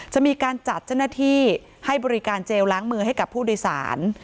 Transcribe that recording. จะมีการจัดเจ้าหน้าที่ให้บริการเจลล้างมือให้กับผู้โดยสาร